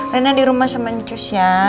rina di rumah sama ncus ya